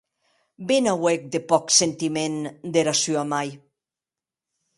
Be n’auec de pòc sentiment dera sua mair!